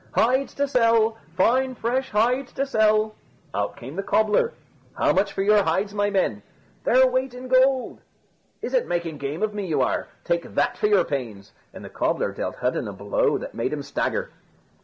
"Hides to sell! Fine fresh hides to sell!" Out came the cobbler. "How much for your hides, my men?" "Their weight in gold." "Is it making game of me you are! Take that for your pains," and the cobbler dealt Hudden a blow that made him stagger.